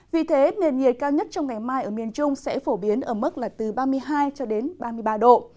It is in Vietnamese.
vì thế nền nhiệt cao nhất trong ngày mai ở miền trung sẽ phổ biến ở mức là từ ba mươi hai ba mươi ba độ